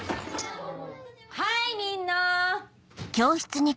はいみんな！